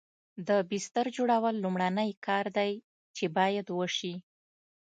د بستر جوړول لومړنی کار دی چې باید وشي